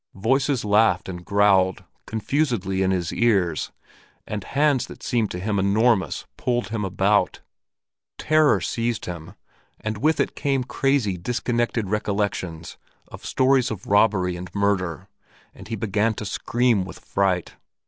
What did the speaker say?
Voices laughed and growled confusedly in his ears, and hands that seemed to him enormous pulled him about. Terror seized him, and with it came crazy, disconnected recollections of stories of robbery and murder, and he began to scream with fright.